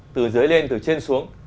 từ dưới lên từ trên xuống